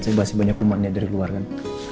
saya masih banyak umatnya dari luar kan